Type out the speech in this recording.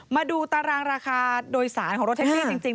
มาดูตารางราคาโดยสารของรถแท็กซี่จริง